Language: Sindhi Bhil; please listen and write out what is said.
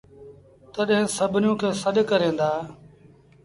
تڏهيݩ سڀنيوٚن کي سڏ ڪريݩ دآ